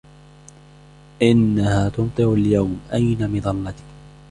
إنها تمطر اليوم ، أين مظلتي ؟